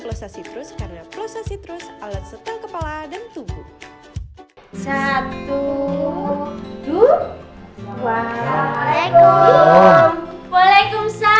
kelas aku aku gak mau behind male simultaneously eneng adik